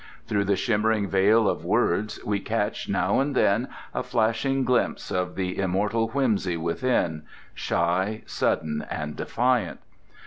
Through the shimmering veil of words we catch, now and then, a flashing glimpse of the Immortal Whimsy within, shy, sudden, and defiant.